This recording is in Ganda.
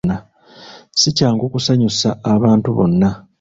Si kyangu kusanyusa abantu bonna.